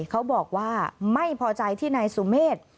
เขาบอกว่าไม่พอใจที่นายสุเมฆ